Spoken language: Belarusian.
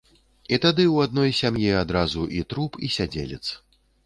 І тады ў адной сям'і адразу і труп, і сядзелец.